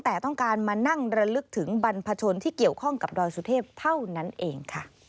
แต่ต้องการมานั่งระลึกถึงบรรพชนที่เกี่ยวข้องกับดอยสุเทพเท่านั้นเองค่ะ